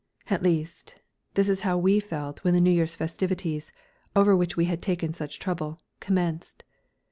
At least, this is how we felt when the New Year's festivities, over which we had taken such trouble, commenced.